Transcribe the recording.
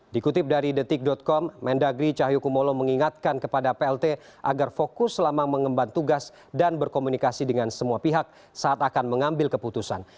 dikutip dari detik com mendagri cahyokumolo mengingatkan kepada plt agar fokus selama mengemban tugas dan berkomunikasi dengan semua pihak saat akan mengambil keputusan